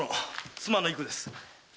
妻の郁です。